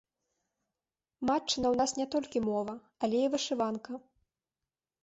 Матчына ў нас не толькі мова, але і вышыванка.